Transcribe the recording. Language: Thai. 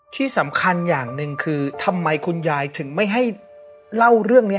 ที่สำคัญอย่างหนึ่งคือทำไมคุณยายถึงไม่ให้เล่าเรื่องนี้